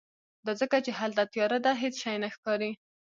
دا ځکه چې هلته تیاره ده، هیڅ شی نه ښکاری